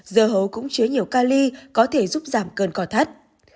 dưa hấu cũng chứa nhiều cali có thể giúp giảm cơn cò thắt